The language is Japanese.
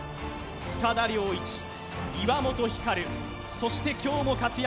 塚田僚一岩本照そして今日も活躍